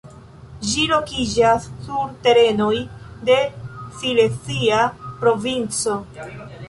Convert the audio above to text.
Ĝi lokiĝas sur terenoj de Silezia Provinco.